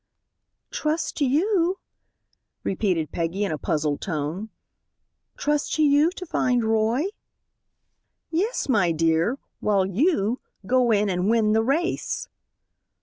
"Trust to you?" repeated Peggy in a puzzled tone. "Trust to you to find Roy?" "Yes, my dear, while you go in and win the race!"